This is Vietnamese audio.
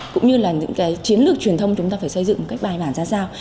cũng như là những cái chiến lược truyền thông chúng ta phải xây dựng một cách bài bản ra sao